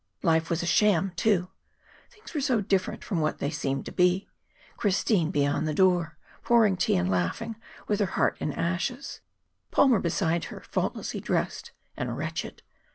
Life was a sham, too. Things were so different from what they seemed to be: Christine beyond the door, pouring tea and laughing with her heart in ashes; Palmer beside her, faultlessly dressed and wretched.